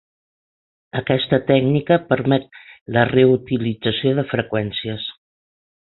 Aquesta tècnica permet la reutilització de freqüències.